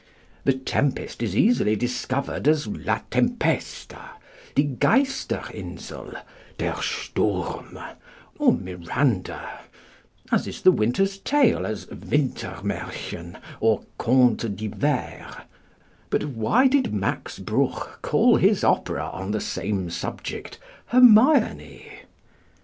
The Tempest is easily discovered as La Tempesta, Die Geisterinsel, Der Sturm, or Miranda, as is The Winter's Tale as Wintermärchen or Conte d'Hiver; but why did Max Bruch call his opera on the same subject Hermione?